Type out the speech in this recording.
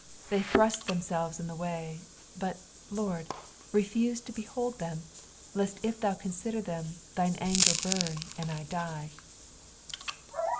They thrust themselves in thy way; but, Lord, refuse to behold them, lest if thou consider them, thine anger burn, and I die.